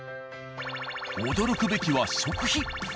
驚くべきは食費。